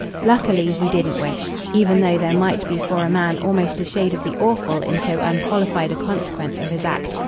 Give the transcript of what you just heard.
Luckily he didn't wish, even though there might be for a man almost a shade of the awful in so unqualified a consequence of his act.